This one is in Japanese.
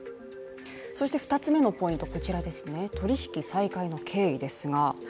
そして２つ目のポイント、取引再開の経緯ですが。